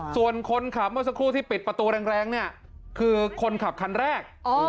ส่วนคนขับเมื่อสักครู่ที่ปิดประตูแรงเนี่ยคือคนขับคันแรก